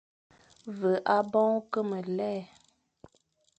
Ve aboñ ô ke me lè,